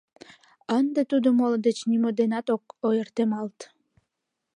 Ынде тудо моло деч нимо денат ок ойыртемалт.